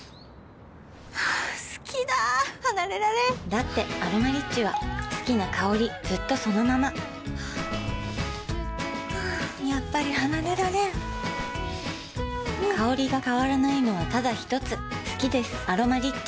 好きだ離れられんだって「アロマリッチ」は好きな香りずっとそのままやっぱり離れられん香りが変わらないのはただひとつ好きです「アロマリッチ」